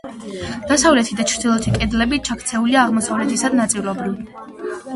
დასავლეთი და ჩრდილოეთი კედლები ჩაქცეულია, აღმოსავლეთისა ნაწილობრივ.